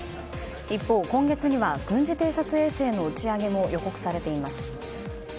一方、今月には軍事偵察衛星の打ち上げも予告されています。